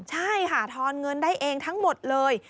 ใช่ค่ะทอนเงินได้เองทั้งหมดเลย